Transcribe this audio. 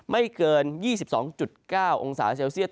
ไม่เกิน๒๒๙องศาเซลเซียต